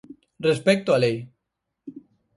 Respecto á lei.